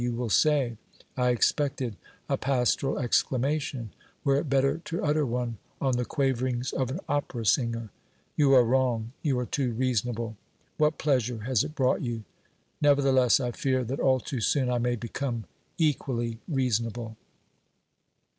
You will say : I expected a pastoral exclama tion ! Were it better to utter one on the quaverings of an opera singer ? You are wrong ; you are too reasonable. What pleasure has it brought you ? Nevertheless, I fear that all too soon I may become equally reasonable.